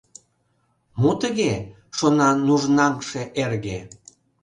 «Мо тыге? — шона нужнаҥше эрге.